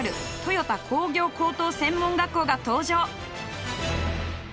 豊田工業高等専門学校が登場。